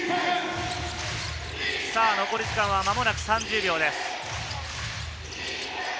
残り時間は間もなく３０秒。